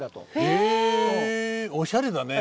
へえおしゃれだね。